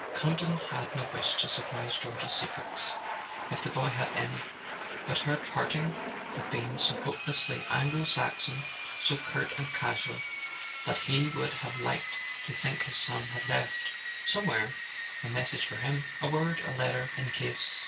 Campton had no wish to surprise George's secrets, if the boy had any. But their parting had been so hopelessly Anglo Saxon, so curt and casual, that he would have liked to think his son had left, somewhere, a message for him, a word, a letter, in case